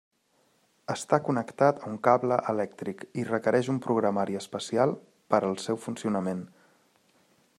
Està connectat a un cable elèctric i requereix un programari especial per al seu funcionament.